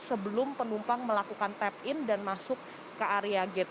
sebelum penumpang melakukan tap in dan masuk ke area gate